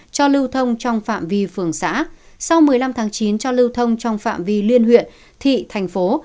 cho lưu thông trong phạm vi phường xã sau một mươi năm tháng chín cho lưu thông trong phạm vi liên huyện thị thành phố